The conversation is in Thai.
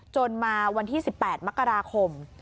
จนมาวันที่๑๘มกราคม